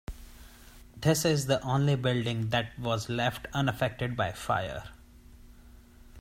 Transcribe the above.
This is the only building that was left unaffected by fire.